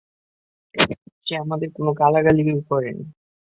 সে আমাদের কোন গালাগালিও করেনি।